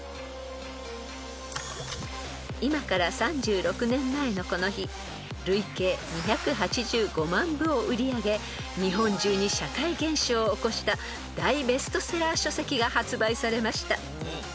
［今から３６年前のこの日累計２８５万部を売り上げ日本中に社会現象を起こした大ベストセラー書籍が発売されました］